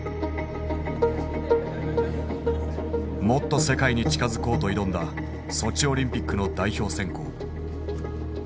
もっと世界に近づこうと挑んだソチオリンピックの代表選考。